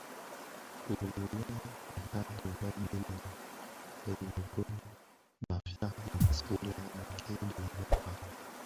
Gom inèn bë taatoh bë bënèn, bë nyokon (Bafia) mbas wu lè bekke dhi bëkpag,